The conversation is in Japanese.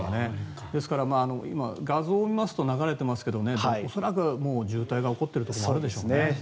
ですから今、画像を見ますと流れていますが恐らく渋滞が起こっているところもあるでしょうね。